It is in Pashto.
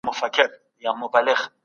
دفاعي چاري د دولت لومړیتوب و.